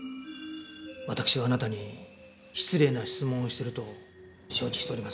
わたくしはあなたに失礼な質問をしてると承知しております。